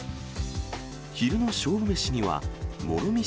昼の勝負メシには、もろ味